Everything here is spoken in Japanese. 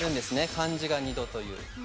漢字が２度という。